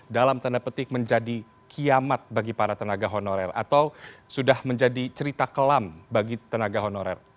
dalam tanda petik menjadi kiamat bagi para tenaga honorer atau sudah menjadi cerita kelam bagi tenaga honorer